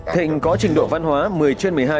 thịnh có trình độ văn hóa một mươi trên một mươi hai